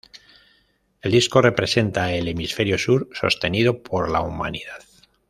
El disco representa el Hemisferio Sur sostenido por la humanidad.